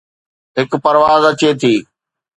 هڪ پرواز اچي ٿي